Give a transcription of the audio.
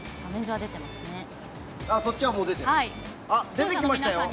出てきましたよ！